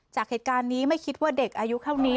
จากเหตุการณ์นี้ไม่คิดว่าเด็กอายุเท่านี้